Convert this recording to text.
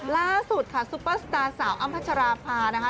ล่าสุดค่ะซุปเปอร์สตาร์สาวอ้ำพัชราภานะคะ